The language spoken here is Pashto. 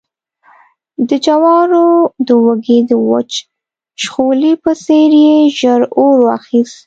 د جوارو د وږي د وچ شخولي په څېر يې ژر اور واخیست